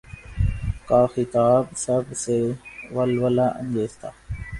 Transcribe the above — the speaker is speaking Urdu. کا خطاب سب سے ولولہ انگیز تھا۔